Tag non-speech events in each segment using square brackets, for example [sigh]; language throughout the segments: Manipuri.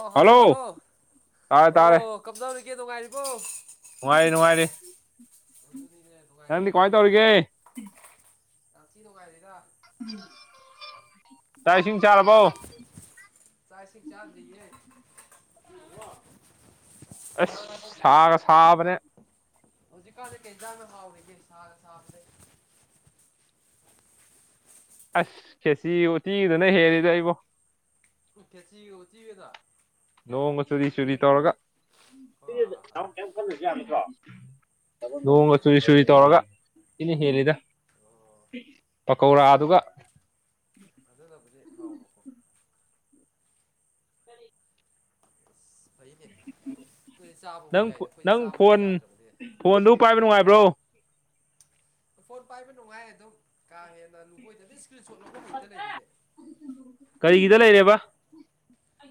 ꯑ ꯍꯜꯂꯣ ꯍꯜꯂꯣ ꯇꯥꯔꯦ ꯇꯥꯔꯦ ꯑꯣ ꯀꯝꯗꯧꯔꯤꯒꯦ ꯅꯨꯉꯥꯏꯔꯤꯕꯣ ꯅꯨꯡꯉꯥꯏꯔꯤ ꯅꯨꯡꯉꯥꯏꯔꯤ ꯑꯗꯨꯅꯤꯅꯦ ꯅꯪꯗꯤ ꯀꯃꯥꯏ ꯅꯨꯡꯉꯥꯏꯒꯗꯕꯤꯅꯦ ꯇꯧꯔꯤꯒꯦ ꯌꯥꯝ ꯊꯤ ꯅꯨꯡꯉꯥꯏꯔꯤꯗ ꯆꯥꯛ ꯏꯁꯤꯡ ꯆꯥꯔꯕꯣ ꯆꯥꯛ ꯏꯁꯤꯡ ꯆꯗ꯭ꯔꯤꯌꯦ ꯑꯁ ꯁꯥꯒ ꯁꯥꯕꯅꯦ ꯍꯧꯖꯤꯥꯅꯗꯤ ꯀꯩ ꯏꯖꯥꯡꯅ ꯍꯥꯎꯔꯤꯒꯦ ꯁꯥꯒ ꯁꯥꯕꯅꯦ ꯑꯁ ꯈꯦꯁꯤ ꯎꯇꯤꯗꯨꯅ ꯍꯦꯜꯂꯤꯗ ꯏꯕꯣ ꯈꯦꯆꯤꯒ ꯎꯇꯤꯒꯗꯣ ꯅꯣꯡꯒ ꯆꯨꯔꯤ ꯆꯨꯔꯤ ꯇꯧꯔꯒ ꯍꯣ ꯍꯣ ꯍꯣ ꯂꯣꯡꯒ ꯆꯨꯏ ꯆꯨꯏ ꯇꯧꯔꯒ ꯏꯅ ꯍꯦꯜꯂꯤꯗ ꯑꯣ ꯄꯀꯧꯔꯥꯗꯨ ꯑꯗꯨꯅꯕꯨꯗꯤ ꯍꯥꯎꯕꯀꯣ ꯑꯁ ꯐꯩꯅꯦ ꯑꯩꯗꯤ ꯆꯥꯕꯕꯨ ꯌꯥꯏꯗ ꯑꯩꯈꯣꯏꯗꯤ ꯆꯥꯕꯕꯨ ꯌꯥꯗ꯭ꯔꯕꯅꯦ ꯐꯣꯟꯗꯨꯕꯨ ꯄꯥꯏꯕ ꯅꯨꯡꯉꯥꯏꯕ꯭ꯔꯣ ꯐꯣꯟ ꯄꯥꯏꯕ ꯅꯨꯡꯉꯥꯏ ꯑꯗꯨꯝ ꯀꯥ ꯍꯦꯟꯅ ꯅꯨꯡꯈꯣꯏꯗ ꯏꯁꯀ꯭ꯔꯤꯟ ꯁꯣꯠ ꯂꯧꯕ ꯍꯛꯇ ꯂꯩꯔꯦꯅꯦ ꯀꯔꯤꯒꯤꯗ ꯂꯩꯔꯦꯕ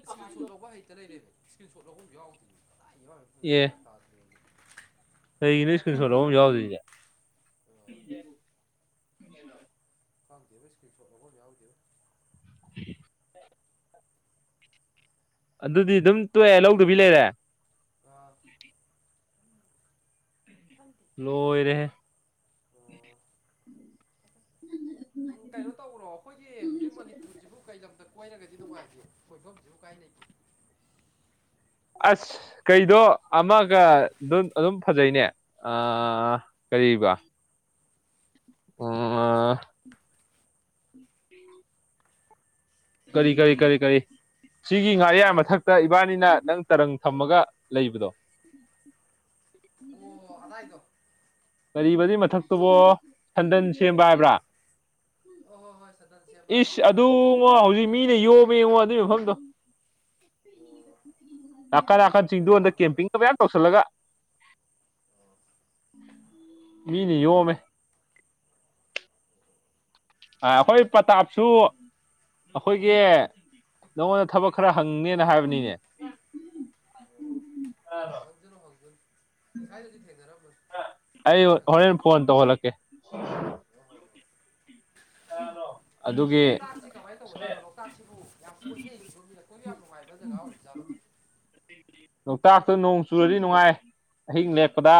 ꯏꯁꯀ꯭ꯔꯤꯟ ꯁꯣꯠ ꯂꯧꯕ ꯍꯩꯦꯇ ꯂꯩꯔꯦꯃꯦ ꯏꯁꯀ꯭ꯔꯤꯟ ꯂꯧꯐꯝ ꯌꯥꯎꯗꯦ ꯀꯗꯥꯏ ꯌꯥꯎꯔꯤꯅꯣ ꯈꯪꯗꯦ ꯒ꯭ꯌꯟ ꯇꯥꯗ꯭ꯔꯦ ꯀꯩꯒꯤꯅꯣ ꯁ꯭ꯀꯔꯤꯟ ꯁꯣꯠ ꯂꯧꯐꯝ ꯌꯥꯎꯗ꯭ꯔꯤꯁꯦ ꯑꯣ ꯈꯪꯗꯦꯕꯣ ꯏꯁꯀ꯭ꯔꯤꯟ ꯁꯣꯠ ꯂꯧꯐꯝ ꯌꯥꯎꯗꯦꯕꯣ [inaudible] ꯑꯗꯨꯗꯤ ꯑꯗꯨꯝ ꯇꯣꯛꯑꯦ ꯂꯧꯗꯨꯕꯤ ꯂꯩꯔꯦ ꯑ ꯂꯣꯏꯔꯦꯍꯦ ꯅꯪ ꯂ ꯎꯝ ꯀꯩꯅꯣ ꯇꯧꯕ꯭ꯔꯣ ꯑꯩꯈꯣꯏꯒꯤ ꯍꯧꯖꯤꯛ ꯃꯅꯤꯄꯨꯔꯁꯤꯕꯨ ꯀꯩ ꯂꯝꯗ ꯀꯣꯏꯔꯒꯗꯤ ꯅꯨꯡꯉꯥꯏꯇꯦ ꯀꯣꯏꯐꯝꯁꯤꯕꯨ ꯀꯥꯏ ꯂꯩꯒꯦ ꯑꯁ ꯀꯩꯗꯣ ꯑꯃꯒ ꯑꯗꯨꯝ ꯐꯖꯩꯅꯦ ꯑ ꯀꯔꯤꯕ ꯎ ꯀꯔꯤ ꯀꯔꯤ ꯀꯔꯤ ꯀꯔꯤ ꯁꯤꯒꯤ ꯉꯥꯔꯤꯌꯥ ꯃꯊꯛꯇ ꯏꯕꯥꯅꯤꯅ ꯅꯪ ꯇꯔꯪ ꯊꯝꯃꯒ ꯂꯩꯕꯗꯣ ꯑꯣ ꯑꯗꯥꯏꯗꯣ ꯀꯔꯤꯕꯗꯤ ꯃꯊꯛꯇꯨꯕꯣ ꯁꯟꯗꯟ ꯁꯦꯝꯕ ꯍꯣꯏ ꯍꯥꯏꯕ꯭ꯔꯥ ꯍꯣꯏ ꯍꯣꯏ ꯍꯣꯏ ꯆꯟꯗꯟ ꯁꯦꯝꯕ ꯍꯥꯏꯕ꯭ꯔꯥ ꯏꯁ ꯀꯩꯅꯣꯝ ꯑꯗꯨ ꯍꯥꯏꯕꯅꯤ ꯍꯥꯏꯕꯅꯤ ꯉꯣ ꯍꯧꯖꯤꯛ ꯃꯤꯅ ꯌꯣꯃꯦꯉꯣ ꯑꯗꯨꯏ ꯃꯐꯝꯗꯣ ꯑꯣ ꯅꯥꯀꯟ ꯅꯥꯀꯟ ꯀꯩꯗꯧ ꯆꯤꯡꯗꯣꯟꯗ ꯂꯥꯛꯅꯩꯕ ꯀꯦꯝꯄꯤꯡꯗꯣ ꯃꯌꯥꯝ ꯇꯧꯁꯤꯜꯂꯒ ꯑꯣ ꯃꯤꯅ ꯌꯣꯝꯃꯦ ꯑ ꯑꯩꯈꯣꯏ ꯄꯇꯥꯞꯁꯨ ꯑꯩꯈꯣꯏꯒꯤ ꯅꯉꯣꯟꯗ ꯊꯕꯛ ꯈꯔ ꯍꯪꯅꯤꯅ ꯍꯥꯏꯕꯅꯤꯅꯦ ꯑꯣ ꯇꯗ꯭ꯔꯣ ꯍꯧꯖꯅꯨ ꯍꯧꯖꯅꯨ ꯉꯁꯥꯏꯗꯨꯗꯤ ꯊꯦꯡꯅꯝꯃꯔꯣ ꯑꯩ ꯑꯗꯨꯗꯧ ꯍꯪꯉꯛꯎ ꯍꯣꯔꯦꯟ ꯐꯣꯟ ꯇꯧꯍꯂꯛꯀꯦ [unintelligible] ꯑꯗꯨꯒꯤ ꯂꯣꯛꯇꯥꯛꯁꯤ ꯀꯃꯥꯏꯅ ꯇꯧꯕꯖꯥꯠꯂꯣ ꯂꯣꯛꯥꯛꯁꯤꯕꯨ ꯌꯥꯝ ꯀꯣꯏꯅꯩ ꯁꯤꯕꯨꯃꯤꯅ ꯀꯣꯏꯕ ꯌꯥꯝ ꯅꯨꯡꯉꯥꯏꯕ ꯖꯒꯥ ꯑꯣꯏ ꯖꯥꯠꯂꯣ ꯂꯣꯛꯇꯥꯛꯇ ꯅꯣꯡ ꯆꯨꯔꯗꯤ ꯅꯨꯡꯉꯥꯏ ꯑꯍꯤꯡ ꯂꯦꯛꯄꯗ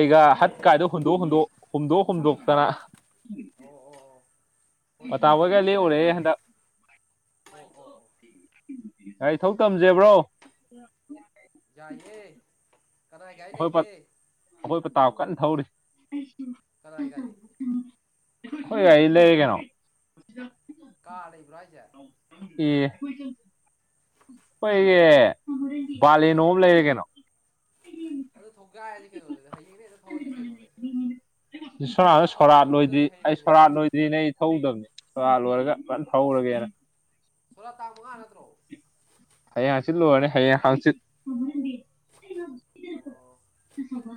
ꯑꯣ ꯍꯠ ꯀꯥꯏꯗꯣ ꯍꯨꯟꯗꯣꯛ ꯍꯨꯟꯗꯣꯛ ꯍꯨꯝꯗꯣꯛ ꯍꯨꯝꯗꯣꯛꯇꯅ꯫ ꯑꯣ ꯑꯣ ꯑꯣ ꯈꯣꯏꯁꯤ ꯄꯇꯥꯕꯣꯏꯒ ꯀꯩꯅꯥꯏ ꯂꯦꯛꯎꯔꯦ ꯍꯟꯗꯛ ꯑꯣ ꯑꯣ ꯑꯣ ꯒꯥꯔꯤ ꯊꯧ ꯇꯝꯖꯦꯕ꯭ꯔꯣ꯫ [unintelligible] ꯌꯥꯏꯌꯦ ꯀꯅꯥꯏ ꯒꯥꯏ ꯑꯩꯈꯣꯏ ꯂꯩꯒꯦ꯫ ꯑꯩꯈꯣꯏ ꯄꯇꯥꯥꯎ ꯀꯟꯅ ꯊꯧꯔꯤ꯫ ꯀꯗꯥꯥꯏ ꯒꯥꯔꯤ꯫ ꯈꯣꯏ ꯒꯥꯔꯤ ꯂꯩꯔꯦ ꯀꯩꯅꯣ꯫ [unintelligible] ꯀꯥꯔ ꯂꯩꯕ꯭ꯔꯣꯍꯥꯏꯁꯦ꯫ ꯑꯦ꯫ ꯈꯣꯏꯒꯤ ꯕꯥꯂꯤꯅꯣ ꯑꯝ ꯂꯩꯔꯦ ꯀꯩꯅꯣ꯫ ꯑꯗꯨ ꯊꯣꯛ ꯒꯥꯏꯔꯁꯤ ꯀꯩꯅꯣꯗꯗꯤ ꯍꯌꯦꯡꯗꯩ ꯍꯦꯇ ꯊꯧꯑꯁꯤ ꯀꯩꯅꯣꯗꯦ ꯈꯔ ꯊꯧꯕ ꯇꯝꯍꯧꯗ꯭ꯔꯗꯤ ꯍꯩꯔꯣꯏꯅꯦ꯫ ꯁꯤ ꯅꯦ ꯑꯩ ꯊꯧꯗꯕꯅꯦ ꯁꯣꯔꯥꯠ ꯂꯣꯏꯔꯒ ꯐꯟ ꯊꯧꯔꯒꯦꯅꯥ꯫ ꯊꯣꯔꯥ ꯇꯥꯡ ꯃꯉꯥ ꯅꯠꯇ꯭ꯔꯣ꯫ ꯍꯌꯦꯡ ꯍꯥꯡꯆꯤꯠ ꯂꯣꯏꯔꯅꯤ ꯍꯌꯦꯡ ꯍꯥꯡꯆꯤꯠ꯫ ꯑꯣ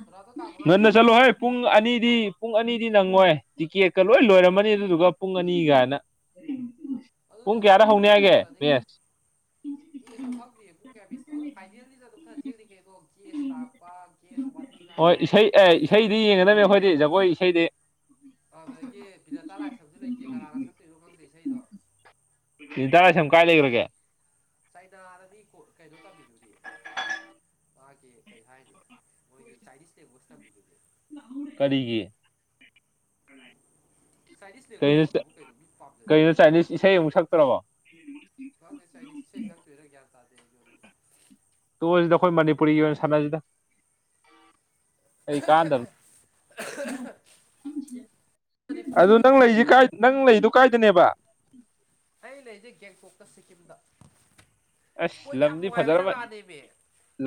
ꯁꯣꯔꯥꯠꯇꯣ ꯇꯥꯡ ꯉꯟꯅ ꯃꯉꯥꯅꯦꯕꯀꯣ ꯆꯠꯂꯣ ꯍꯥꯏ꯫ ꯄꯨꯡ ꯑꯅꯤꯗꯤ ꯄꯨꯡ ꯑꯅꯤꯗꯤ ꯅꯪꯉꯣꯏ ꯇꯤꯀꯦꯠꯀ ꯂꯣꯏ ꯂꯣꯏꯔꯝꯃꯅꯤ ꯑꯗꯨꯗꯨꯒ ꯄꯨꯡ ꯑꯅꯤ ꯒꯥꯏꯅ꯫ ꯑꯗꯨꯗꯤ ꯄꯨꯡ ꯑꯩꯈꯣꯏ ꯀꯌꯥꯗ ꯍꯧꯅꯤ ꯍꯥꯏꯒꯦ ꯃꯦꯁ꯫ ꯃꯤ ꯈꯪꯍꯧꯗꯤꯌꯦ ꯄꯨꯡ ꯀꯌꯥ ꯄꯦꯁꯅꯣ ꯑꯗꯣ ꯐꯥꯏꯅꯦꯜꯅꯤꯅ ꯑꯗꯨꯝ ꯈꯔ ꯊꯦꯡꯅꯤ ꯀꯩꯅꯣ ꯒꯦꯁ ꯂꯥꯛꯄ꯫ ꯀꯦꯁ ꯋꯥꯊꯤ ꯍꯣꯏ ꯉꯥꯡꯕ꯫ ꯏꯁꯩ ꯑꯦ ꯏꯁꯩꯗꯤ ꯌꯦꯡꯒꯗꯕꯅꯤ ꯑꯩꯈꯣꯏꯗꯤ ꯖꯒꯣꯏ ꯏꯁꯩꯗꯤ꯫ ꯑꯗꯨꯗꯒꯤ ꯕꯤꯅꯦꯇꯥ ꯂꯥꯏꯁꯝꯁꯨ ꯂꯩꯇꯦ ꯀꯅꯥꯅ ꯁꯛꯇꯣꯏꯅꯣ ꯈꯪꯗꯦ ꯏꯁꯩꯗꯣ꯫ ꯕꯤꯅꯤꯇꯥ ꯂꯥꯏꯁ꯭ꯔꯝ ꯀꯥꯏ ꯂꯩꯈ꯭ꯔꯒꯦ꯫ ꯆꯩꯅꯥꯗꯗꯤ ꯀꯣ ꯀꯩꯅꯣ ꯇꯝꯃꯤꯗꯨꯗꯤ꯫ ꯃꯥꯒꯤ ꯀꯔꯤ ꯍꯥꯏꯅꯤ ꯃꯣꯏꯒꯤ ꯆꯥꯏꯅꯤꯁ ꯂꯦꯡꯒꯣꯁ ꯊꯝꯃꯤꯗꯨꯅꯦ꯫ ꯀꯔꯤꯒꯤ꯫ ꯆꯥꯏꯅꯤꯁ ꯂꯦꯡꯒ꯭ꯋꯦꯖ ꯀꯩꯅꯣ ꯇꯧꯕꯕꯨ ꯀꯩꯅꯣ ꯃꯤ ꯄꯥꯝꯖꯔꯤꯅꯤ ꯀꯩꯅꯣ꯫ ꯆꯥꯏꯅꯤꯁ ꯏꯁꯩ ꯑꯃꯨꯛ ꯁꯛꯇ꯭ꯔꯕꯣ ꯈꯪꯗꯦ ꯆꯥꯏꯅꯤꯁ ꯏꯁꯩ ꯁꯛꯇꯨꯏꯔꯥ ꯒ꯭ꯌꯥꯟ ꯇꯥꯗꯦ ꯑꯩꯁꯨ ꯇꯣꯑꯁꯤꯗ ꯑꯩꯈꯣꯏ ꯃꯅꯤꯄꯨꯔꯤꯒꯤ ꯑꯣꯏꯅ ꯁꯥꯟꯅꯁꯤꯗ꯫ ꯀꯩ ꯀꯥꯟꯗꯕꯗ ꯑꯗꯨ ꯃꯅꯤꯄꯨꯔꯒꯤ ꯅꯪ ꯍꯧꯖꯤꯛ ꯂꯩꯁꯤ ꯀꯥꯏ ꯅꯪ ꯂꯩꯗꯨ ꯀꯥꯏꯗꯅꯦꯕ꯫ ꯑꯩ ꯂꯩꯖꯦ ꯒꯦꯡꯇꯣꯛꯇ ꯁꯤꯀꯤꯝꯗ꯫ ꯑꯁ ꯂꯝꯗꯤ ꯐꯖꯔꯃ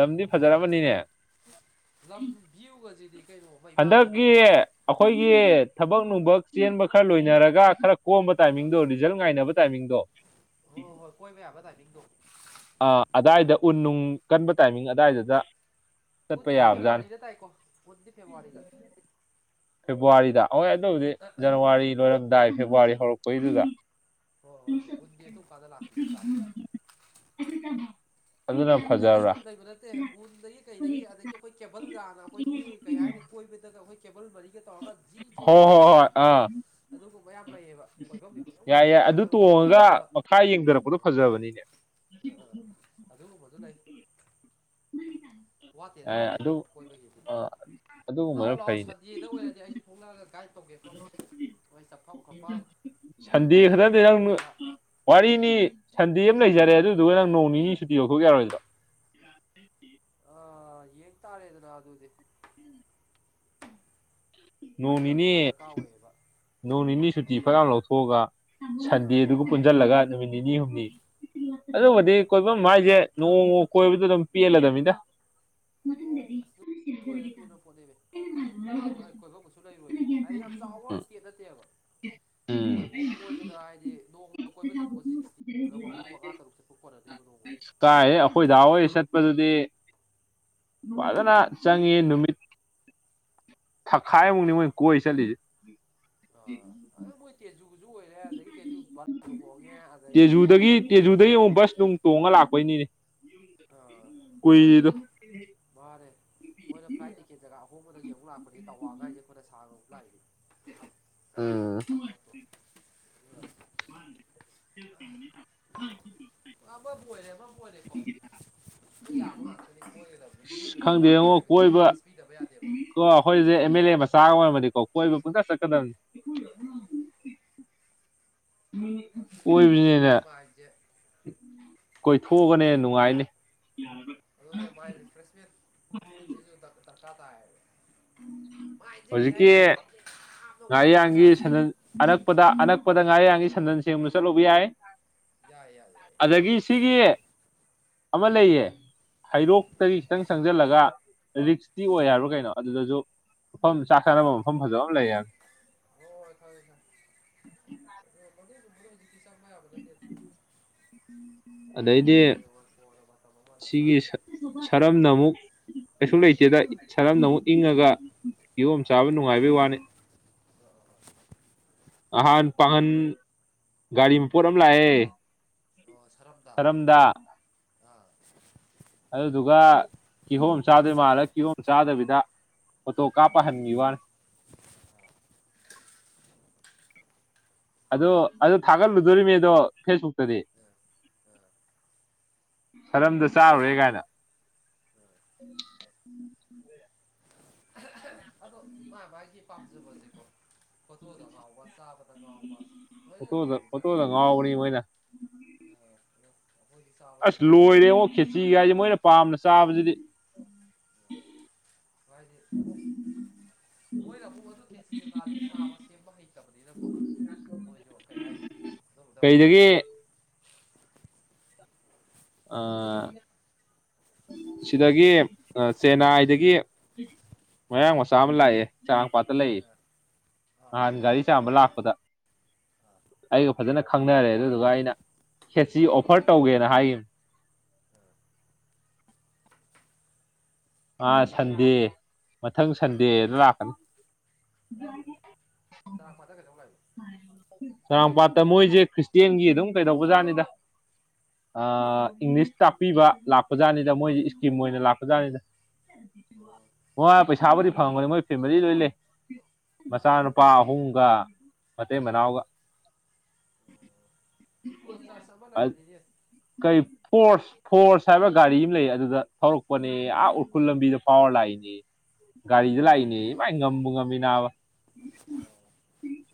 ꯂꯝꯗꯤ ꯐꯖꯔꯃꯅꯤꯅꯦ꯫ ꯂꯝ ꯚ꯭ꯌꯨꯒꯁꯤꯗꯤ ꯀꯩꯅꯣ꯫ ꯃꯩꯕꯥ ꯍꯟꯗꯛꯀꯤ ꯆꯠꯄꯤꯅꯦ ꯑꯩꯈꯣꯏꯒꯤ ꯊꯕꯛ ꯅꯨꯡꯕꯛ ꯆꯦꯟꯕ ꯈꯔ ꯂꯣꯏꯅꯔꯒ ꯈꯔ꯫ ꯀꯣꯝꯕ ꯑꯥ ꯇꯥꯏꯃꯤꯡꯗꯣ ꯔꯤꯖꯜ ꯉꯥꯏꯅꯕ ꯇꯥꯏꯃꯤꯡꯗꯣ꯫ ꯍꯣꯏ ꯍꯣꯏ ꯀꯣꯏꯕ ꯌꯥꯕ ꯇꯥꯏꯃꯤꯡꯗꯣ ꯑ ꯑꯗꯥꯏꯗ ꯎꯟ ꯅꯨꯡ ꯀꯟꯕ ꯇꯥꯏꯃꯤꯡ ꯑꯗꯥꯏꯗꯨꯗ ꯆꯠꯄ ꯎꯟꯗꯤ ꯌꯥꯕꯖꯥꯠꯅꯤ ꯐꯦꯕꯋꯥꯔꯤꯗ ꯇꯥꯏꯀꯣ ꯎꯟꯗꯤ ꯐꯦꯕꯋꯥꯔꯤꯗ ꯐꯦꯕꯋꯥꯔꯤꯗ ꯍꯣꯏ ꯑꯗꯨꯕꯨꯗꯤ ꯖꯅꯋꯥꯔꯤ ꯂꯣꯏꯔꯝꯗꯥꯏ ꯐꯦꯕꯋꯥꯔꯤ ꯍꯧꯔꯛꯄꯩꯗꯨꯗ ꯍꯣꯏ ꯍꯣꯏ ꯍꯣꯏ ꯎꯟꯗꯤ ꯑꯗꯨꯝꯀꯥꯟꯗ ꯂꯥꯛꯄꯥꯗꯤ ꯇꯥꯏ [unintelligible] ꯑꯗꯨꯅ ꯎꯟꯁꯦ ꯀꯩꯁꯨ ꯐꯖꯕ꯭ꯔꯥ ꯂꯩꯕ ꯅꯠꯇꯦ ꯅꯠꯇꯦ ꯎꯟꯗꯒꯤ ꯀꯩꯗꯒꯤ ꯑꯗꯒꯤ ꯑꯩꯈꯣꯏ ꯀꯦꯕꯜ ꯍꯥꯟꯅ ꯑꯩꯈꯣꯏꯒꯤ ꯀꯩ ꯍꯥꯏꯅꯤ ꯀꯣꯏꯕꯗꯒ ꯑꯩꯈꯣꯏ ꯀꯦꯕꯜ ꯃꯔꯤꯒ ꯇꯧꯔꯒ ꯖꯤꯔ ꯆꯦꯟꯕꯤ ꯍꯣꯏ ꯑꯗꯩ ꯍꯣꯏ ꯍꯣꯏ ꯕꯣꯗ ꯑꯥ ꯑꯗꯨꯒꯨꯝꯕ ꯃꯌꯥꯝ ꯂꯩꯕ ꯀꯣꯏꯐꯝꯗꯤ ꯀꯣꯏꯐꯝ ꯌꯥꯏ ꯉꯥꯛꯇꯅꯤ ꯌꯥꯏ ꯑꯗꯨ ꯋꯥꯇꯔꯐꯣꯜ ꯇꯣꯡꯉꯒ ꯑꯔꯛꯄꯗ ꯃꯈꯥ ꯌꯦꯡꯊꯔꯛꯄꯗꯣ ꯎꯝ ꯐꯖꯕꯅꯤꯅꯦ ꯎ ꯑꯗꯨꯒꯨꯝꯕꯗꯨ ꯂꯩ ꯋꯥꯠꯇꯦꯗ ꯑꯦ ꯋꯥꯠꯇꯦꯗ ꯑꯗꯨ ꯀꯣꯏꯕꯒꯤꯗꯤ ꯂꯥꯛꯑꯣ ꯑꯗꯨꯒꯨꯝꯕꯅ ꯂꯥꯛꯑꯣ ꯐꯩꯅꯦ ꯁꯟꯗꯦꯗ ꯑꯣꯏꯔꯗꯤ ꯑꯩꯁꯨ ꯊꯣꯛꯣꯂꯛꯑꯒ ꯒꯥꯏꯗ ꯇꯧꯒꯦꯀꯣ ꯅꯣꯏ ꯆꯠꯐꯝ ꯈꯣꯠꯐꯝ ꯑꯗꯩ ꯁꯟꯗꯦ ꯒꯥꯔꯤ ꯄꯩꯁꯥ ꯈꯛꯇꯗꯤ ꯅꯪ ꯉꯥꯡꯅꯕꯤꯕ ꯋꯥꯔꯤꯅꯤ ꯁꯟꯗꯦ ꯑꯃ ꯂꯩꯖꯔꯦ ꯑꯗꯨꯗꯨꯒ ꯅꯪ ꯅꯣꯡ ꯅꯤꯅꯤ ꯁꯨꯇꯤ ꯌꯧꯊꯣꯛ ꯌꯥꯔꯣꯏꯗ꯭ꯔꯣ ꯑ ꯌꯦꯡ ꯇꯥꯔꯦꯗꯅ ꯑꯗꯨꯗꯤ ꯍꯥꯏꯅꯕ ꯅꯣꯡꯅꯤꯅꯤ ꯑꯃ ꯗꯔꯀꯥꯔ ꯑꯣꯏꯌꯦꯕ ꯅꯣꯡ ꯅꯤꯅꯤ ꯁꯨꯇꯤ ꯑꯃꯨꯛ ꯐꯔ ꯍꯥꯏ ꯑꯃ ꯂꯧꯊꯣꯛꯑꯒ ꯁꯟꯗꯦꯗꯨꯒ ꯍꯣꯏ ꯄꯨꯟꯁꯤꯜꯂꯒ ꯅꯨꯃꯤꯠ ꯅꯤꯅꯤ ꯍꯨꯝꯅꯤ ꯑꯗꯨꯕꯨꯗꯤ ꯀꯣꯏꯐꯝ ꯍꯥꯏꯁꯦ ꯅꯣꯡꯃ ꯀꯣꯏꯕꯗ ꯑꯗꯨꯝ ꯄꯦꯜꯂꯗꯕꯅꯤꯗ ꯑꯣ ꯑꯗꯨꯒꯤ ꯑꯣꯏꯅ ꯄꯤꯕ ꯄꯣꯠꯅꯦꯃꯦ꯫ ꯍꯣꯏ ꯀꯣꯏꯐꯝꯒꯁꯨ ꯂꯩꯔꯣꯏꯕ ꯍꯥꯏꯗꯤ ꯌꯥꯝ ꯆꯥꯎꯕ ꯎꯝ ꯏꯁꯇꯦꯠ ꯅꯠꯇꯦꯕ ꯎꯝ ꯑꯦ ꯀꯣꯏꯕꯗ ꯍꯥꯏꯗꯤ ꯅꯣꯡꯃꯗ ꯀꯣꯏꯕ ꯊꯤꯡꯕ ꯍꯧꯖꯤꯗ ꯃꯐꯝ ꯃꯉꯥ ꯇꯔꯨꯛ ꯆꯠꯄ ꯈꯣꯟꯠꯅꯗꯦꯕ ꯅꯣꯡꯃꯗ ꯀꯥꯏꯗꯩ ꯑꯩꯈꯣꯏꯗꯥ ꯍꯣꯏ ꯆꯠꯄꯗꯨꯗꯤ ꯐꯖꯅ ꯆꯪꯉ ꯍꯦ ꯅꯨꯃꯤꯠ ꯊꯛꯈꯥꯏꯃꯨꯛꯅꯤ ꯃꯣꯏ ꯀꯣꯏ ꯆꯠꯂꯤꯁꯦ ꯑ ꯑꯗꯣ ꯃꯣꯏ ꯇꯦꯖꯨ ꯀꯨꯁꯨꯨ ꯑꯣꯏꯔꯦ ꯑꯗꯒꯤ ꯇꯁꯨꯨ ꯕꯁ ꯍꯣꯡꯒꯦ ꯑꯗꯒꯤ ꯂꯩꯕ ꯇꯦꯖꯨꯗꯒꯤ ꯇꯦꯖꯨꯗꯒꯤ ꯑꯦꯀꯣꯃꯤꯗꯦꯁꯟ ꯑꯃꯨꯛ ꯕꯁ ꯅꯨꯡ ꯇꯣꯡꯉ ꯂꯥꯛꯄꯩꯅꯤꯅꯦ ꯑ ꯀꯣꯏꯔꯤꯗꯣ ꯃꯥꯅꯦ ꯃꯣꯏꯅ ꯐ꯭ꯂꯥꯏꯠ ꯇꯤꯛꯀꯦꯠ ꯖꯒꯥ ꯑꯍꯣꯡꯕꯗꯒꯤ ꯑꯃꯨꯛ ꯂꯥꯛꯄꯅꯦ ꯇꯋꯥꯒ ꯍꯥꯏꯁꯦ ꯑꯩꯣꯏꯅ ꯁꯥꯥꯡꯔꯒ ꯑꯃꯨꯛ ꯂꯥꯛꯏꯅꯤ ꯎꯝ ꯄꯣꯠꯇꯣ [inaudible] ꯑꯃꯕꯨ ꯑꯣꯏꯔꯦ ꯑꯃꯕꯨ ꯑꯣꯏꯔꯦ ꯀꯣ ꯂꯣꯏ ꯌꯥꯕ ꯉꯥꯛꯇꯅꯤ ꯃꯣꯏꯒꯗꯕꯅꯤ ꯃꯤꯑꯣꯏꯕꯒꯤ ꯃꯥꯏꯟ ꯍꯥꯏꯕꯁꯦ ꯔꯦꯁ ꯄꯤꯗꯕ ꯌꯥꯗꯦꯕ ꯀ ꯑꯩꯈꯣꯏꯁꯦ ꯑꯦꯝ ꯑꯦꯜ ꯑꯦ ꯃꯆꯥꯒ ꯑꯣꯏꯔꯝꯃꯅꯤꯀꯣ ꯀꯣꯏꯕ ꯄꯨꯗ ꯆꯠꯀꯗꯕꯅꯤ ꯀꯣꯏꯕꯅꯤꯅ ꯃꯤꯑꯣꯏꯕꯒꯤ ꯃꯥꯏꯟꯁꯦ ꯀꯣꯏꯊꯣꯛꯑꯒꯅ ꯍꯦꯟꯅ ꯅꯨꯡꯉꯥꯏꯅꯦ ꯑꯗꯨꯅꯦ ꯃꯥꯥꯏꯔꯦꯜ ꯔꯤꯐꯔꯦꯁ ꯃꯤꯟ ꯁꯤꯁꯨ ꯗꯔꯀꯥꯇ ꯇꯥꯏꯕ ꯃꯥꯏꯟꯁꯦ ꯀꯩ ꯍꯧꯖꯤꯛꯀꯤ ꯍꯥꯏꯒ ꯃꯥꯏꯟꯁꯦ ꯌꯥꯝꯅ ꯋꯥꯍꯟꯕꯁꯨ ꯉꯥꯔꯤꯌꯥꯡꯒꯤ ꯌꯥꯗꯦ ꯁꯟꯗꯟ ꯑꯅꯛꯄꯗ ꯑꯅꯛꯄꯗ ꯉꯥꯔ ꯌꯥꯡꯉꯤ ꯁꯟꯗꯟ ꯁꯦꯡꯕ ꯆꯠꯂꯨꯕ ꯌꯥꯏ ꯌꯥꯏꯌꯦ ꯌꯥꯏ ꯌꯥꯏꯌꯦ ꯑꯗꯒꯤ ꯁꯤꯒꯤ ꯑꯃ ꯂꯩꯌꯦ ꯍꯩꯔꯣꯛꯇꯒꯤ ꯈꯤꯇꯪ ꯆꯪꯁꯤꯜꯂꯒ ꯔꯤꯛꯁꯇꯤ ꯑꯣꯏ ꯍꯥꯏꯕ꯭ꯔ ꯀꯩꯅꯣ ꯑꯗꯨꯗꯁꯨ ꯃꯐꯝ ꯆꯥꯛ ꯆꯥꯅꯕ ꯃꯐꯝ ꯐꯖꯕ ꯑꯃ ꯂꯩꯌꯦ ꯍꯥꯏ ꯑꯣ ꯈꯪꯑꯦ ꯈꯣꯑꯦ [unintelligible] ꯆꯪꯕ ꯆꯥꯕ ꯅꯠꯇꯦꯗ ꯑꯗꯩꯗꯤ ꯂꯣꯏꯔꯕ ꯃꯇꯝ ꯑꯃꯗ ꯁꯤꯒꯤ ꯂꯥꯛꯀꯅꯤ ꯁꯔꯝꯅ ꯑꯃꯨꯛ ꯀꯩꯁꯨꯛ ꯂꯩꯇꯦꯗ ꯁꯔꯝꯅ ꯑꯃꯨꯛ ꯏꯪꯉꯒ ꯀꯤꯌꯣꯝ ꯆꯥꯕ ꯅꯨꯉꯥꯏ ꯕꯩ ꯋꯥꯅꯤ [unintelligible] ꯑꯍꯥꯟ ꯄꯥꯡꯍꯟ ꯒꯥꯔꯤ ꯃꯄꯣꯠ ꯑꯃ ꯂꯥꯛꯑꯦ ꯑꯣ ꯁꯔꯝꯗꯥ ꯁꯔꯝꯗ ꯑꯥ ꯑꯗꯨꯗꯨꯒ ꯀꯤꯍꯣꯝ ꯆꯥꯗꯣꯏ ꯃꯥꯜꯂ ꯀꯤꯍꯣꯝ ꯆꯥꯗꯕꯤꯗ ꯐꯣꯇꯣ ꯀꯥꯞ ꯄꯍꯟꯒꯤ ꯋꯥꯅꯦ ꯑ ꯑꯗꯣ ꯑꯗꯨ ꯊꯥꯒꯠꯂꯨꯗꯣꯔꯤꯅꯦ ꯑꯗꯣ ꯐꯦꯁꯕꯨꯛꯇꯗꯤ ꯑꯥ ꯑꯥ ꯁꯥꯔꯝꯗ ꯆꯥꯔꯨꯔꯦ ꯀꯥꯏꯅ ꯑꯥ [inaudible] ꯑꯗꯣ ꯃꯥ ꯃꯥꯒꯤ ꯄꯥꯝꯖꯕꯁꯦꯀꯣ ꯐꯣꯇꯣꯗ ꯐꯥꯎꯕ ꯆꯥꯕ ꯈꯒꯥꯎꯕ ꯂꯣꯏꯅ ꯐꯣꯇꯣꯗ ꯐꯣꯇꯣꯗ ꯂꯩꯕꯖꯥꯠꯅꯤꯗ ꯉꯥꯎꯕꯅꯤ ꯃꯣꯏꯅ ꯑꯗꯣ ꯑꯩꯈꯣꯏꯗꯤ ꯆꯥꯕ ꯂꯣꯏ ꯑꯁ ꯂꯣꯏꯔꯦ ꯄꯥꯝꯖꯩꯌꯦ ꯌꯦꯡꯉꯣ ꯈꯦꯆꯤꯒꯥꯏꯁꯤ ꯃꯣꯏꯅ ꯄꯥꯝꯅ ꯆꯥꯕꯁꯤꯗꯤ ꯍꯥꯏꯗꯤ ꯇꯥꯃꫭ ꯃꯣꯏ [unintelligible] ꯀꯦꯆꯤ ꯀꯩꯀꯥꯗꯤ ꯁꯥꯕ ꯁꯦꯝꯕ ꯍꯩꯇꯕꯅꯤꯅꯀꯣ ꯃꯣꯏꯁꯨ ꯀꯩ ꯍꯥꯏꯅꯤ ꯑꯗꯨꯕꯗꫭ ꯀꯩꯗꯒꯤ ꯄꯥꯝꯖꯕꯅꯤ‌꯫ ꯑꯥ ꯁꯤꯗꯒꯤ ꯆꯦꯟꯅꯥꯏꯗꯒꯤ ꯃꯌꯥꯡ ꯃꯆꯥ ꯑꯃ ꯂꯥꯛꯑꯦ ꯆꯥꯔꯥꯡ ꯄꯥꯠꯇ ꯂꯩꯌꯦ ꯑꯥ ꯑꯥ ꯅꯍꯥꯟ ꯒꯥꯔꯤ ꯆꯥꯝꯕ ꯂꯥꯛꯄꯗ ꯑꯥ ꯑꯩꯒ ꯐꯖꯅ ꯈꯪꯅꯔꯦ ꯑꯗꯨꯗꯨꯒ ꯑꯩꯅ ꯈꯦꯆꯔꯤ ꯑꯣꯐꯔ ꯇꯧꯒꯦꯅ ꯍꯥꯏꯈꯤꯕꯅꯦ ꯑ ꯁꯟꯗꯦ ꯃꯊꯪ ꯁꯟꯗꯦꯗ ꯂꯥꯛꯀꯅꯤ ꯆꯥꯔꯥꯡ ꯄꯥꯠꯇ ꯀꯩꯗꯧ ꯂꯥꯛꯏ ꯆꯥꯔꯥꯡꯄꯥꯠꯇ ꯃꯣꯏꯁꯦ ꯈ꯭ꯔꯤꯁꯇꯦꯟꯒꯤ ꯑꯗꯨꯝ ꯀꯩꯗꯧꯕꯖꯥꯠꯅꯤꯗ ꯑꯥ ꯏꯪꯂꯤꯁ ꯇꯥꯛꯄꯤꯕ ꯂꯥꯛꯄꯖꯥꯠꯅꯤꯗ ꯃꯣꯏꯁꯤ ꯏꯁꯀꯤꯝ ꯑꯣꯏꯅ ꯂꯥꯛꯄꯖꯥꯠꯅꯤꯗ ꯃꯣꯏ ꯄꯩꯁꯥꯕꯨꯗꯤ ꯐꯪꯉꯝꯒꯅꯤ ꯃꯣꯏ ꯐꯦꯃꯤꯂꯤ ꯂꯣꯏ ꯂꯩ ꯃꯆꯥꯅꯨꯄꯥ ꯑꯍꯨꯝꯒ ꯃꯇꯩ ꯃꯅꯥꯎꯒ ꯑꯣ ꯆꯥꯔꯁ ꯑꯃ ꯂꯩꯏꯕꯅꯤꯅꯦ ꯀꯔꯤ ꯐꯣꯔꯁ ꯐꯣꯔꯁ ꯍꯥꯏꯕ ꯒꯥꯔꯤ ꯑꯃ ꯂꯩ ꯑꯗꯨꯗ ꯊꯧꯔꯛꯄꯅꯦ ꯑꯥ ꯎꯈꯨꯜ ꯂꯝꯕꯤꯗ ꯐꯥꯎꯔ ꯂꯥꯛꯏꯅꯦ ꯒꯥꯔꯤꯗ ꯂꯥꯛꯏꯅꯦ ꯏꯃꯥꯏ ꯉꯕꯨ ꯉꯝꯃꯤ ꯅꯥꯕ [inaudible]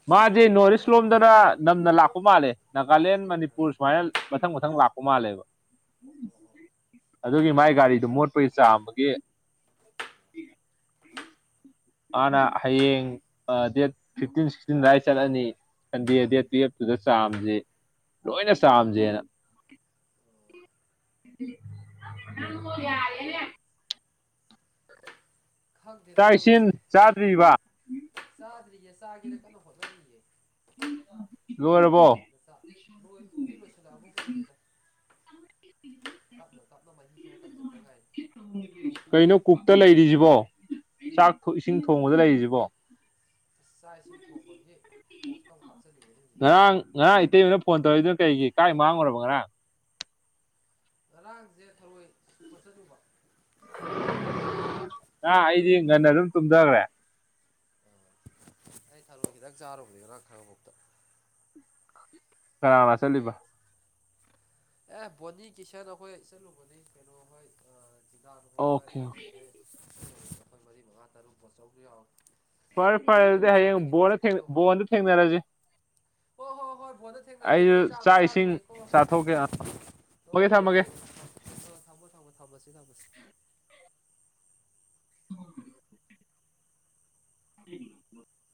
ꯃꯥꯗꯤ ꯅꯣꯔꯠ ꯏꯁ ꯂꯣꯝꯗꯅ ꯅꯝꯅ ꯂꯥꯛꯄ ꯃꯥꯜꯂꯦ ꯅꯥꯒꯥꯂꯦꯟ ꯃꯅꯤꯄꯨꯔ ꯁꯨꯃꯥꯏꯅ ꯃꯊꯪ ꯃꯊꯪ ꯂꯥꯛꯄ ꯃꯥꯜꯂꯦꯕ ꯑꯗꯨꯒꯤ ꯃꯥꯏ ꯒꯥꯔꯤꯗꯨ ꯃꯣꯠꯄꯒꯤ ꯆꯥꯝꯕꯒꯤ [unintelligible] ꯃꯥꯥꯅ ꯍꯌꯦꯡ ꯗꯦꯠ ꯐꯤꯞꯇꯤꯟ ꯁꯤꯛꯁꯇꯤꯟ ꯑꯗꯥꯏ ꯆꯠꯂꯅꯤ ꯁꯟꯗꯦ ꯗꯦꯠ ꯇꯨꯌꯦꯞꯇꯨꯗ ꯆꯥꯝꯁꯦ ꯂꯣꯏꯅ ꯆꯥꯝꯁꯦꯅ [inaudible] ꯈꯪꯗꯦꯅ ꯆꯥꯛ ꯏꯁꯤꯡ ꯇꯧꯔꯁꯦ ꯆꯥꯗ꯭ꯔꯤꯕ ꯆꯥꯗ꯭ꯔꯤꯌꯦ ꯆꯥꯒꯦꯅ ꯀꯟꯅ ꯍꯣꯠꯅꯔꯤꯌꯦ ꯂꫭꯏꯔꯕꯣ [unintelligible] ꯂꫭꯏꯕꯗꯤ ꯂꫭꯏꯁꯤꯟꯂꯥꯛꯑꯕꯒꯨꯝꯕꯅꯤꯗ ꯇꯞꯅ ꯇꯞꯅ ꯃꯍꯤ ꯈꯔ ꯀꯪꯁꯤꯠꯄ ꯉꯥꯏꯔꯤ ꯀꯩꯅꯣ ꯀꯨꯛꯇ ꯂꯩꯔꯤꯁꯤꯕꯣ ꯆꯥꯛ ꯏꯁꯤꯡ ꯊꯣꯡꯕꯗ ꯂꯩꯔꯤꯁꯤꯕꯣ ꯆꯥꯛ ꯏꯁꯤꯡ ꯊꯣꯛꯕꯒꯤ ꯄꯣꯁꯇ ꯑꯃꯨꯛ ꯍꯥꯞꯆꯜꯂꯥꯛꯑꯅꯦ ꯍꯧꯖꯤꯛ [unintelligible] ꯉꯔꯥꯡ ꯉꯔꯥꯡ ꯏꯇꯩꯃꯥꯅ ꯐꯣꯟ ꯇꯧꯔꯛꯏꯗꯨꯅ ꯀꯩꯒꯤ ꯀꯥ ꯃꯥꯡꯉꯨꯔꯕ ꯉꯔꯥꯡ ꯉꯔꯥꯡꯁꯦ ꯊꯔꯣꯏ ꯈꯣꯠꯆꯠꯂꯨꯕ ꯈꯪꯉꯕꫭꯛꯇ ꯉꯔꯥꯡ ꯑꯩꯗꯤ ꯉꯟꯅ ꯑꯗꯨꯝ ꯇꯨꯝꯊꯈ꯭ꯔꯦ ꯑꯩ ꯊꯥꯔꯣꯏ ꯈꯤꯇꯪ ꯆꯥꯔꯨꯕꯅꯦ ꯉꯥꯡ ꯈꯪꯉꯕꫭꯛꯇ ꯀꯥꯅ ꯀꯅꯥ ꯆꯠꯂꯤꯕ ꯑꯦ ꯕꯣꯅꯤ ꯀꯤꯁꯟ ꯑꯩꯈꯣꯏ ꯆꯠꯂꯨꯕꯅꯤ ꯀꯩꯅꯣ ꯍꯣꯏ [unintelligible] ꯍꯣꯏ ꯑꯣꯀꯦ ꯑꯩꯈꯣꯏꯈꯩ [unintelligible] ꯃꯔꯤ ꯃꯉꯥ ꯇꯔꯨꯛ ꯄꯆꯧꯁꯨ ꯌꯥꯎꯏ ꯐꯔꯦ ꯐꯔꯦ ꯑꯗꯨꯗꯤ ꯍꯌꯦꯡ ꯕꯣꯜꯗ ꯕꯣꯜꯗ ꯊꯦꯡꯅꯔꯁꯤ ꯍꫭꯏ ꯍꯣꯏ ꯍꯣꯏ ꯕꫭꯜꯗ ꯊꯦꯡꯅꯖꯦꯗꯣ ꯑꯩꯁꯨ ꯑꯩ ꯆꯥꯛ ꯑꯝꯇ ꯏꯁꯤꯡ ꯆꯥꯈꯤꯒꯦꯀꯣ ꯆꯥꯊꯣꯛꯀꯦ ꯍꫭꯏ ꯊꯝꯃꯒꯦ ꯍꯣꯏ ꯊꯝꯃꯒꯦ ꯍꯣꯏ [unintelligible] ꯊꯝꯃꯣ ꯊꯝꯃꯣ ꯊꯝꯃꯁꯤ ꯊꯝꯃꯁꯤ [inaudible]